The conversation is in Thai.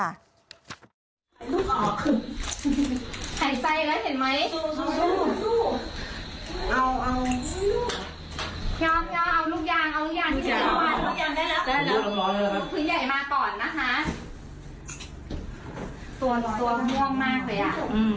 เดี๋ยวแบบเดียวแค่มันชมพูชมพูก่อน